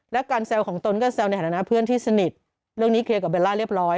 และการแซวของตนก็แซวในฐานะเพื่อนที่สนิทเรื่องนี้เคลียร์กับเบลล่าเรียบร้อย